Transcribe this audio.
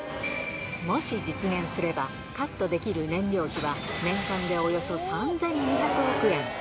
もし実現すれば、カットできる燃料費は、年間でおよそ３２００億円。